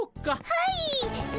はい！